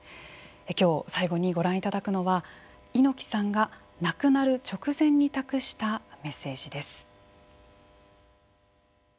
今日、最後にご覧いただくのは猪木さんが亡くなる直前に託したメッセージです。